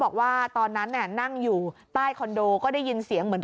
บอกว่าตอนนั้นนั่งอยู่ใต้คอนโดก็ได้ยินเสียงเหมือน